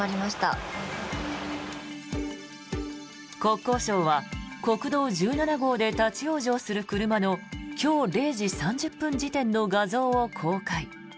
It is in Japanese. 国交省は国道１７号で立ち往生する車の今日０時３０分時点の画像を公開。